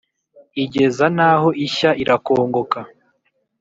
igeza n’aho ishya irakongoka,